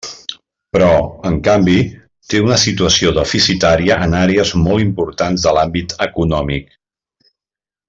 Però, en canvi, té una situació deficitària en àrees molt importants de l'àmbit econòmic.